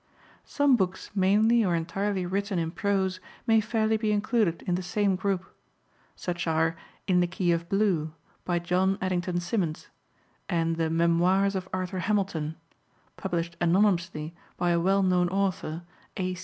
Some books mainly or entirely written in prose may fairly be included in the same group. Such are In the Key of Blue, by John Addington Symonds, and the Memoirs of Arthur Hamilton (published anonymously by a well known author, A.